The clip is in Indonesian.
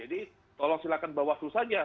jadi tolong silahkan bawaslu saja